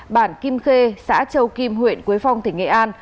bản kim khê xã châu kim huyện quế phong tỉnh nghệ an